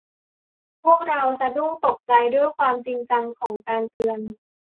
พวกเราสะดุ้งตกใจด้วยความจริงจังของการเตือน